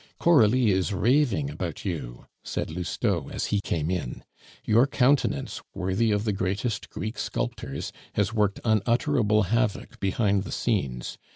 "Coralie is raving about you," said Lousteau as he came in. "Your countenance, worthy of the greatest Greek sculptors, has worked unutterable havoc behind the scenes.